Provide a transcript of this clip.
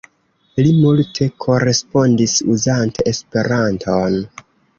Li multe korespondis uzante Esperanton.